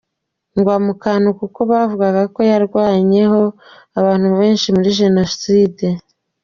Ngwa mu kantu, kuko bavugaga ko yarwanyeho abantu benshi muri génocide.